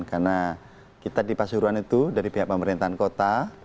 karena kita di pasuruan itu dari pihak pemerintahan kota